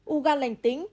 u gan lành tính